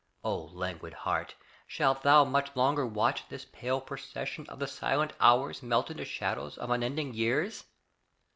O languid heart, shalt thou much longer watch This pale procession of the silent hours Melt into shadows of unending years?